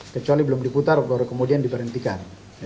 kecuali belum diputar kemudian diperhentikan